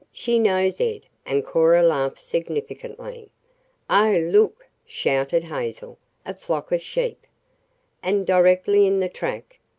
She knows Ed," and Cora laughed significantly. "Oh, look!" shouted Hazel. "A flock of sheep. And directly in the track.